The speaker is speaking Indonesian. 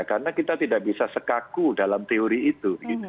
karena kita tidak bisa sekaku dalam teori itu